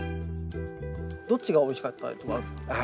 どっちがおいしかったりとかあるんですか？